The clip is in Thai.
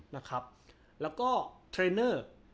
นะครับแล้วก็เทรนเนอร์